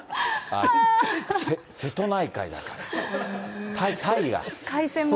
瀬戸内海だから、タイが。